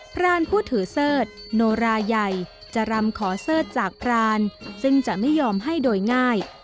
พรานผู้ถือเสิร์ธโนราใหญ่จะรำขอเสิร์ชจากพรานซึ่งจะไม่ยอมให้โดยง่าย